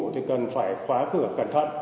thì cần phải khóa cửa cẩn thận